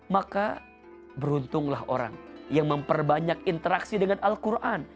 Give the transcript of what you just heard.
maka beruntunglah orang yang memperbanyak interaksi dengan al quran